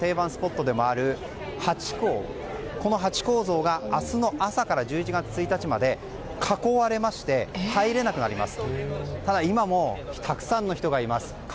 そんな中、待ち合わせの定番スポットでもあるこのハチ公像が明日の朝から１１月１日まで囲われまして、入れなくなります。